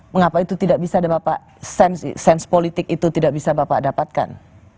mengapa itu tidak bisa ada bapak sense politik itu tidak bisa bapak dapatkan